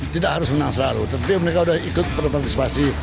tidak harus menang selalu tapi mereka udah ikut berpartisipasi